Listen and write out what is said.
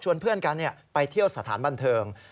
เพื่อนกันไปเที่ยวสถานบันเทิง